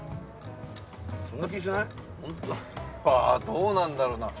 どうなんだろうな？